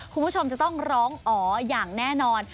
คุณผู้ชมจะต้องร้องอ๋ออย่างแน่นอน